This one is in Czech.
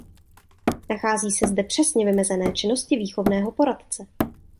Nachází se zde přesně vymezené činnosti výchovného poradce.